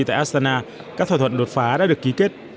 tại asana các thỏa thuận đột phá đã được ký kết